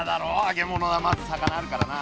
揚げ物はまず魚あるからな。